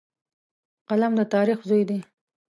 قلم د تاریخ زوی دی